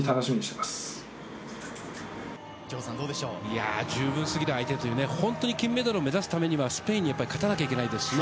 いやぁ、十分すぎる相手というね、本当に金メダルを目指すためには、スペインにやっぱり勝たなきゃいけないですしね。